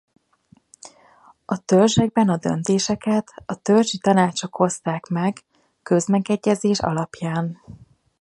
A törzsekben a döntéseket a törzsi tanácsok hozták meg közmegegyezés alapján.